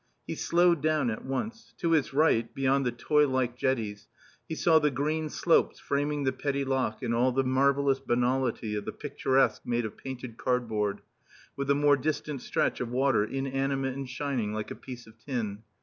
He slowed down at once. To his right, beyond the toy like jetties, he saw the green slopes framing the Petit Lac in all the marvellous banality of the picturesque made of painted cardboard, with the more distant stretch of water inanimate and shining like a piece of tin.